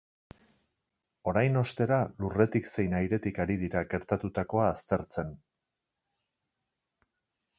Orain, ostera, lurretik zein airetik ari dira gertatutakoa aztertzen.